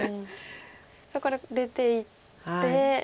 そこから出ていって切断と。